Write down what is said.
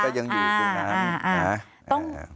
มันก็ยังอยู่ที่นั้น